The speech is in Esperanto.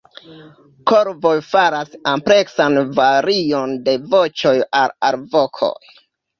Korvoj faras ampleksan varion de voĉoj aŭ alvokoj.